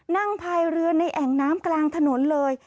พายเรือในแอ่งน้ำกลางถนนเลย